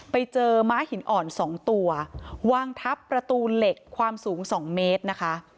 ไปเจอม้าหินอ่อน๒ตัววางทับประตูเหล็กความสูง๒เมตรนะคะ